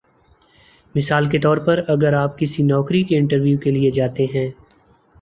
مثال کے طور پر اگر آپ کسی نوکری کے انٹرویو کے لیے جاتے ہیں